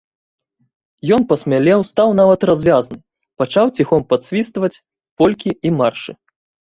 Ён пасмялеў, стаў нават развязны, пачаў ціхом падсвістваць полькі і маршы.